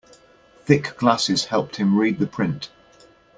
Thick glasses helped him read the print.